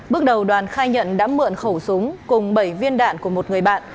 bước đầu đoàn khai nhận đã mượn khẩu súng cùng bảy viên đạn của một người bạn